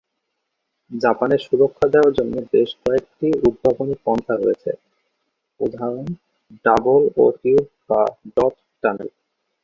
জাপানে সুরক্ষা দেওয়ার জন্য বেশ কয়েকটি উদ্ভাবনী পন্থা রয়েছে, উদাঃ ডাবল-ও-টিউব বা ডট-টানেল।